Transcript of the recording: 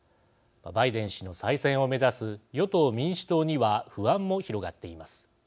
バイデン氏の再選を目指す与党・民主党には不安も広がっています。